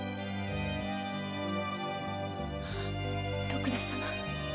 徳田様